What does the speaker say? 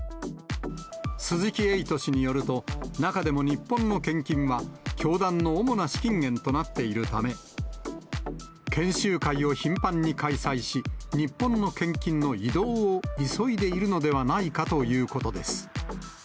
鈴木エイト氏によると、中でも日本の献金は、教団の主な資金源となっているため、研修会を頻繁に開催し、日本の献金の移動を急いでいるのではないかということです。